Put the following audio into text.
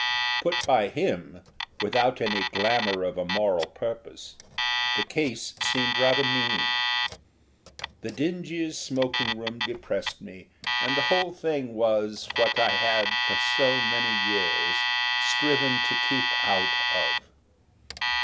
Put by him, without any glamour of a moral purpose, the case seemed rather mean. The dingy smoking room depressed me and the whole thing was, what I had, for so many years, striven to keep out of.